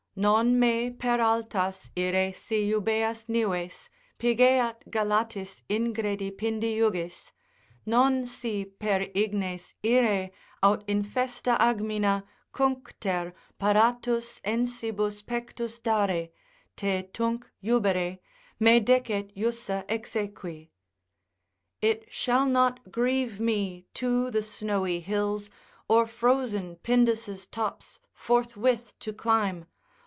Non me per altas ire si jubeas nives, Pigeat galatis ingredi Pindi jugis, Non si per ignes ire aut infesta agmina Cuncter, paratus ensibus pectus dare, Te tunc jubere, me decet jussa exequi. It shall not grieve me to the snowy hills, Or frozen Pindus' tops forthwith to climb.